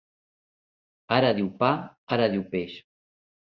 Ara diu pa, ara diu peix.